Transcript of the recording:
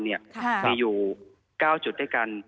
มีอยู่๙จุดด้วยกัน